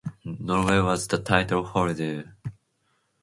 Norway was the title holder.